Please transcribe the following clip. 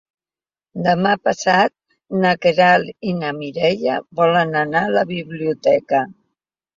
Demà passat na Queralt i na Mireia volen anar a la biblioteca.